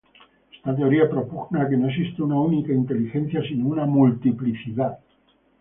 Esta teoría propugna que no existe una única inteligencia, sino una multiplicidad.